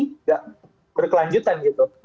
tidak berkelanjutan gitu